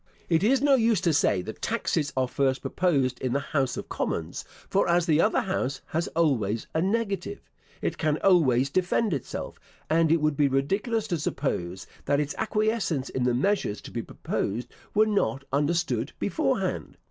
It is no use to say that taxes are first proposed in the House of Commons; for as the other house has always a negative, it can always defend itself; and it would be ridiculous to suppose that its acquiescence in the measures to be proposed were not understood before hand.